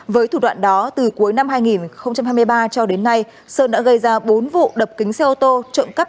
với thủ đoạn đó từ cuối năm hai nghìn hai mươi ba cho đến nay sơn đã gây ra bốn vụ đập kính xe ô tô trộm cắp